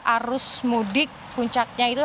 arus mudik puncaknya itu